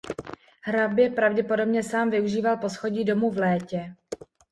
Hrabě pravděpodobně sám využíval poschodí domu v létě.